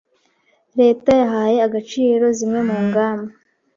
leta yahaye agaciro zimwe mu ngamba